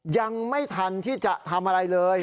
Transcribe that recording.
ยังไม่ทันที่จะทำอะไรเลย